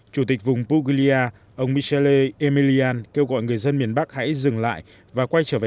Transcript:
chủ tịch vùng puglia ông michele emilian kêu gọi người dân miền bắc hãy dừng lại và quay trở về